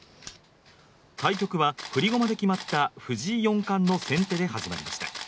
対局は振り駒で決まった藤井四冠の先手で始まりました。